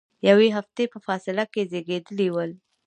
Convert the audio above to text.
یوې هفتې په فاصله کې زیږیدلي ول.